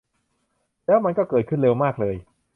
แล้วมันก็เกิดขึ้นเร็วมากเลย